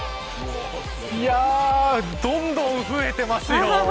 どんどん増えていますよ。